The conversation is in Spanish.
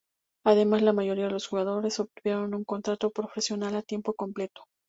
Además, la mayoría de los jugadores obtuvieron un contrato profesional a tiempo completo.